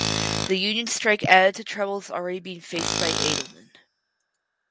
The union strike added to troubles already being faced by Adelman.